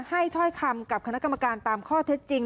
ถ้อยคำกับคณะกรรมการตามข้อเท็จจริง